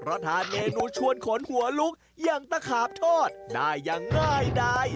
เพราะทานเมนูชวนขนหัวลุกอย่างตะขาบทอดได้อย่างง่ายดาย